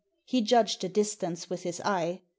He judged the distance with his eye.